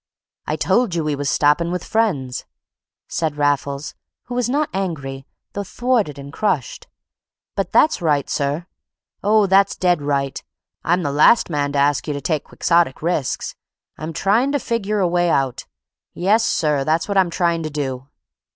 "I told you we was stoppin' with friends," said Raffles, who was not angry, though thwarted and crushed. "But that's right, sir! Oh, that's dead right, and I'm the last man to ask you to take Quixotic risks. I'm tryin' to figure a way out. Yes, sir, that's what I'm tryin' to do."